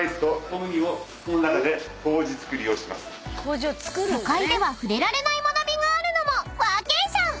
［都会では触れられない学びがあるのもワーケーション］